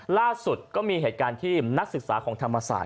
ล่าสุดก็มีเหตุการณ์ที่นักศึกษาของธรรมศาสต